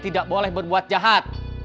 tidak boleh berbuat jahat